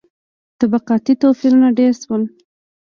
• طبقاتي توپیرونه ډېر شول.